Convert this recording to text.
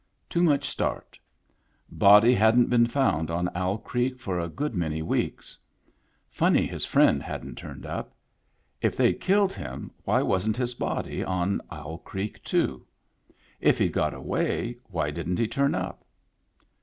Too much start Body hadn't been found on Owl Creek for a good many weeks. Funny his friend hadn't turned up. If they'd killed him, why wasn't his body on Owl Creek, too ? If he'd got away, why didn't he turn up